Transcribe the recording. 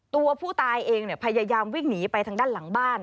ตัวผู้ตายเองพยายามวิ่งหนีไปทางด้านหลังบ้าน